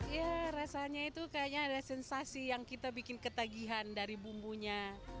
ya rasanya itu kayaknya ada sensasi yang kita bikin ketagihan dari bumbunya